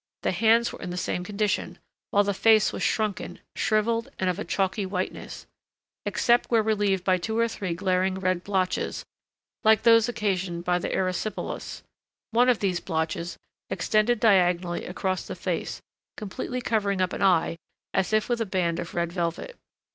The hands were in the same condition, while the face was shrunken, shrivelled, and of a chalky whiteness, except where relieved by two or three glaring red blotches like those occasioned by the erysipelas: one of these blotches extended diagonally across the face, completely covering up an eye as if with a band of red velvet.